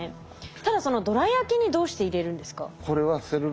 ただそのどら焼きにどうして入れるんですか？